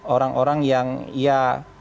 orang orang yang ya